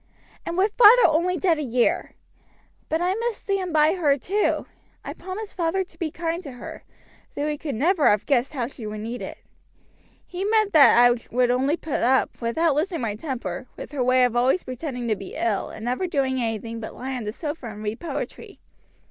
"And with father only dead a year! But I must stand by her, too. I promised father to be kind to her, though he could never have guessed how she would need it. He meant that I would only put up, without losing my temper, with her way of always pretending to be ill, and never doing anything but lie on the sofa and read poetry.